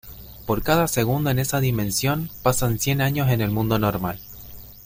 Por cada segundo en esa dimensión, pasan cien años en el mundo normal.